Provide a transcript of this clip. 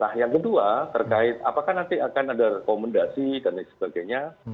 nah yang kedua terkait apakah nanti akan ada rekomendasi dan lain sebagainya